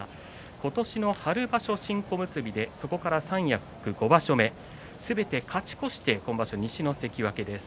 今年の春場所、新小結でそこから三役９場所目すべて勝ち越して今場所、西の関脇です。